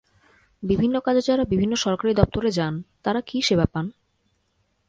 বিভিন্ন কাজে যাঁরা বিভিন্ন সরকারি দপ্তরে যান, তাঁরা কী সেবা পান?